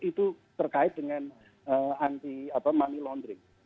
itu terkait dengan anti money laundering